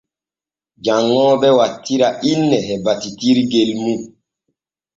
Janŋooɓe wattira inne e battitirgel mum.